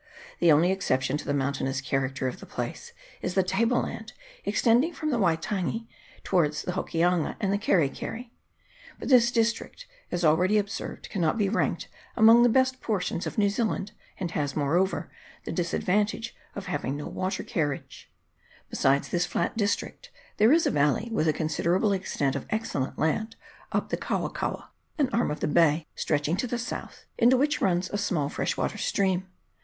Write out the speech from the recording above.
The only exception to the mountainous character of the place is the table land extending from the Waitangi towards the Hokianga and the Keri keri. But this district, as already observed, cannot be ranked amongst the best portions of New Zealand, VOL. i. s 258 BAY OF ISLANDS. [PART II. and has, moreover, the disadvantage of having no water carriage. Besides this flat district, there is a valley with a considerable extent of excellent land up the Kaua kaua, an arm of the bay, stretching to the south, into which runs a small fresh water stream.